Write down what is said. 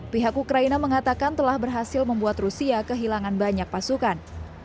pihak ukraina mengatakan telah berhasil membuat rusia kehilangan banyak pasukan